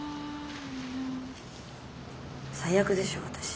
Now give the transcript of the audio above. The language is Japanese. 最悪でしょ私。